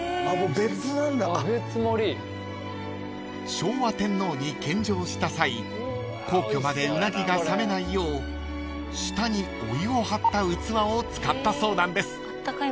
［昭和天皇に献上した際皇居までうなぎが冷めないよう下にお湯を張った器を使ったそうなんです］